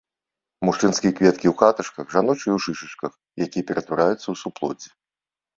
Мужчынскія кветкі ў каташках, жаночыя ў шышачках, якія ператвараюцца ў суплоддзі.